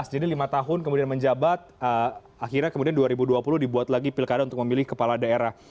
jadi lima tahun kemudian menjabat akhirnya kemudian dua ribu dua puluh dibuat lagi pilkada untuk memilih kepala daerah